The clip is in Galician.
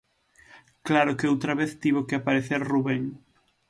Claro que outra vez tivo que aparecer Rubén.